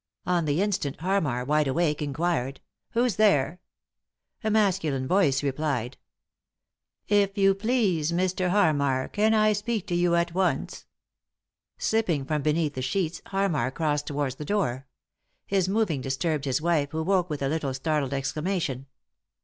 On the instant Harraar, wide awake, inquired :" Who's there ?" A masculine voice replied :" If you please, Mr. Harmar, can I speak to you at once ?" Slipping from beneath the sheets Harmar crossed towards the door. His moving disturbed his wife, who woke with a little startled exclamation.